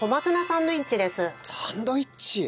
サンドウィッチ。